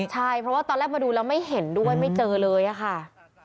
ใช่เพราะว่าตอนแรกมาดูแล้วไม่เห็นด้วยไม่เจอเลยอะค่ะ